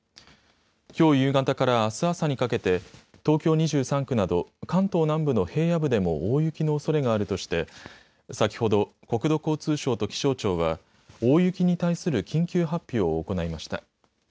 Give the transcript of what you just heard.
きょう夕方からあす朝にかけて東京２３区など関東南部の平野部でも大雪のおそれがあるとして先ほど国土交通省と気象庁は大雪に対する緊急発表を行いました。